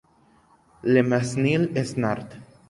Le Mesnil-Esnard